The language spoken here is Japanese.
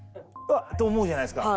と思うじゃないですか。